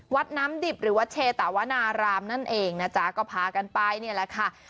วัดน้ำดิบหรือวัดเชตวนารามนั่นเองนะจ๊ะก็พากันไปเนี่ยแหละค่ะ